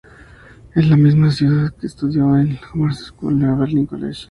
En la misma ciudad estudió en el Horace Mann School y el Oberlin College.